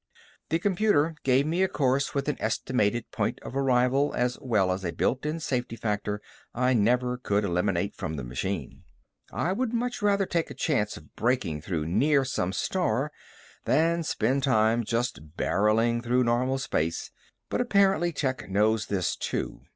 The computer gave me a course with an estimated point of arrival as well as a built in safety factor I never could eliminate from the machine. I would much rather take a chance of breaking through near some star than spend time just barreling through normal space, but apparently Tech knows this, too.